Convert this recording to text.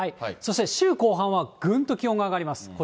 そして週後半はぐんと気温が上がります。